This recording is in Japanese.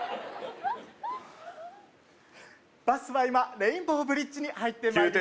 バスは今レインボーブリッジに入ってまいりました